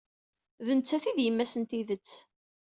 D nettat ay d yemma-s n tidet.